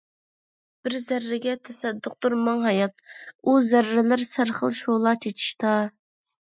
بىر زەررىگە تەسەددۇقتۇر مىڭ ھايات، ئۇ زەررىلەر سەرخىل شولا چېچىشتا ...